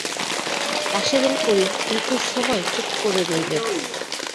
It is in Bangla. রাশেদুল করিম দীর্ঘ সময় চুপ করে রইলেন।